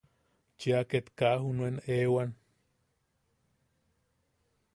Cheʼa ket kaa junuen ewan.